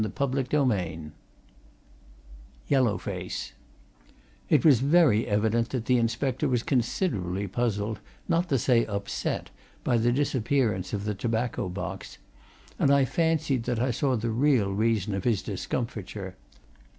CHAPTER VII YELLOWFACE It was very evident that the inspector was considerably puzzled, not to say upset, by the disappearance of the tobacco box, and I fancied that I saw the real reason of his discomfiture.